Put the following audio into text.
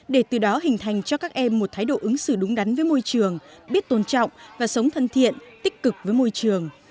để từ đó hình thành cho các em một thái độ ứng xử đúng đắn với môi trường biết tôn trọng và sống thân thiện tích cực với môi trường